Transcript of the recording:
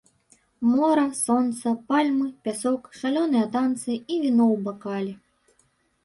Мора, сонца, пальмы, пясок, шалёныя танцы і віно ў бакале.